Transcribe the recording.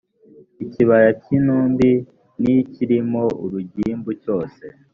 ikibaya cy intumbi n icyiririmo urugimbu cyose